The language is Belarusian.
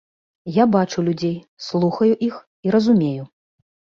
Я бачу людзей, слухаю іх і разумею.